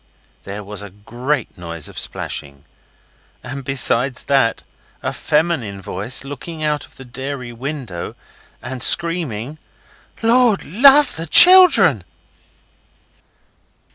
There was a great noise of splashing. And besides that a feminine voice, looking out of the dairy window and screaming 'Lord love the children!